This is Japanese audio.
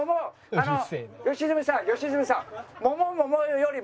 あの良純さん良純さん！